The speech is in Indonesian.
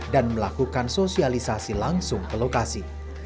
melakukan sosialisasi langsung ke lokasi